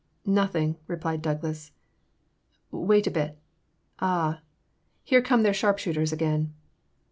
*' Nothing," replied Douglas, wait a bit — ah! here come their sharpshooters again